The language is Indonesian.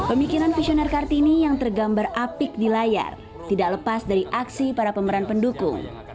pemikiran visioner kartini yang tergambar apik di layar tidak lepas dari aksi para pemeran pendukung